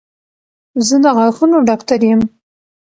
زه د غاښونو ډاکټر یم